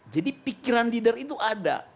jadi pikiran leader itu ada